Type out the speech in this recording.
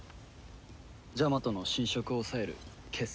ジャマトの侵食を抑える血清だ。